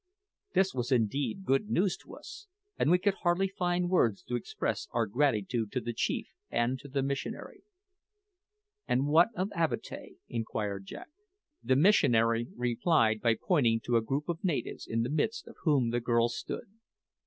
This was indeed good news to us, and we could hardly find words to express our gratitude to the chief and to the missionary. "And what of Avatea?" inquired Jack. The missionary replied by pointing to a group of natives, in the midst of whom the girl stood.